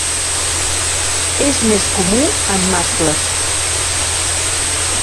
És més comú en mascles.